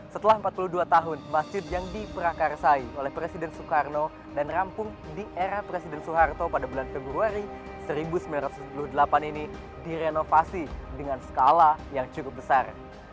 setelah empat puluh dua tahun masjid yang diperakarsai oleh presiden soekarno dan rampung di era presiden soeharto pada bulan februari seribu sembilan ratus sembilan puluh delapan ini direnovasi dengan skala yang cukup besar